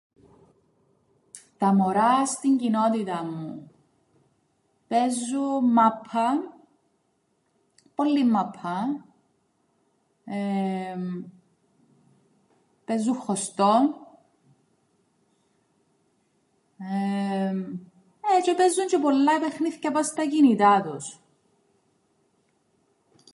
Τα μωρά στην κοινότηταν μου παίζουν μάππαν. Πολλήν μάππαν, εεεμ παίζουν χωστόν ε τζ̆αι παίζουν πολλά παιχνίθκια πά' στα κινητά τους.